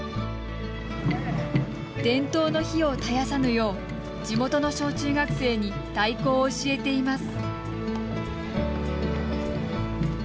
伝統の火を絶やさぬよう地元の小中学生に太鼓を教えています。